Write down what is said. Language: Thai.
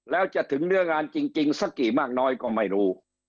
แล้วจะถึงเนื้องานจริงสักกี่มากน้อยก็ไม่รู้